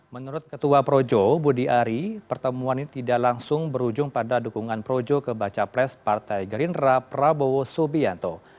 menurut ketua projo budi ari pertemuan ini tidak langsung berujung pada dukungan projo ke baca pres partai gerindra prabowo subianto